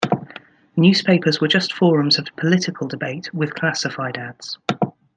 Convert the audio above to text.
Newspapers were just forums of political debate with classified ads.